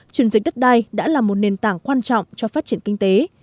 chuyển dịch đất đai đã là một nền tảng quan trọng cho phát triển kinh tế